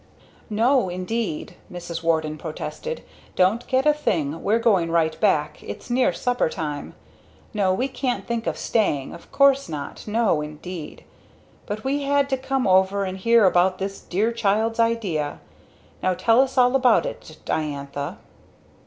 "No indeed!" Mrs. Warden protested. "Don't get a thing. We're going right back, it's near supper time. No, we can't think of staying, of course not, no indeed! But we had to come over and hear about this dear child's idea! Now tell us all about it, Diantha!"